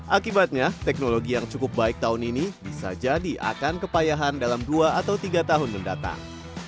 akibatnya teknologi yang cukup baik tahun ini bisa jadi akan kepayahan dalam dua atau tiga tahun mendatang